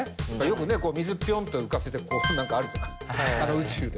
よくね水ピョンって浮かせてこう何かあるじゃない宇宙で。